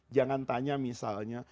jangan tanya misalnya